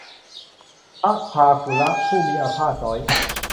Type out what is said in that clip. พระพากุละ ผู้มีอาพาธน้อย